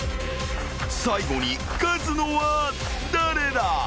［最後に勝つのは誰だ？］